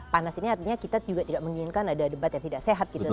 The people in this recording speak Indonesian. panas ini artinya kita juga tidak menginginkan ada debat yang tidak sehat gitu